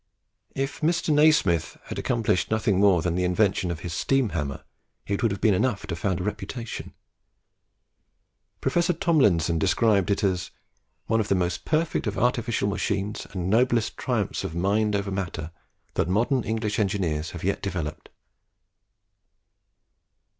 If Mr. Nasmyth had accomplished nothing more than the invention of his steam hammer, it would have been enough to found a reputation. Professor Tomlinson describes it as "one of the most perfect of artificial machines and noblest triumphs of mind over matter that modern English engineers have yet developed."